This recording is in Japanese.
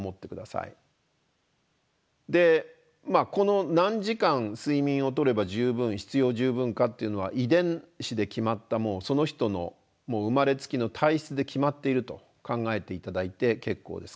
でこの何時間睡眠をとれば十分必要十分かっていうのは遺伝子で決まったその人の生まれつきの体質で決まっていると考えて頂いて結構です。